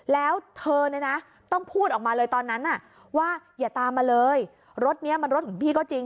แล้วเธอเนี่ยนะต้องพูดออกมาเลยตอนนั้นว่าอย่าตามมาเลยรถนี้มันรถของพี่ก็จริง